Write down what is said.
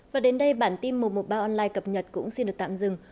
và đến đây bản tin một trăm một mươi ba online cập nhật cũng xin được tạm dừng